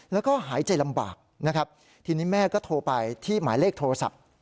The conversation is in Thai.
แล้วก็หายใจลำบากนะครับทีนี้แม่ก็โทรไปที่หมายเลขโทรศัพท์